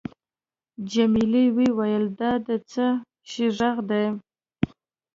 جميلې وويل:: دا د څه شي ږغ دی؟